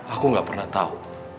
aku tidak pernah tahu